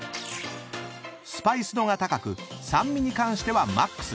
［スパイス度が高く酸味に関してはマックス］